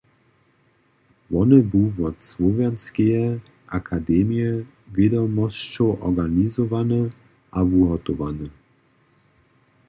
Wone bu wot Słowakskeje akademije wědomosćow organizowane a wuhotowane.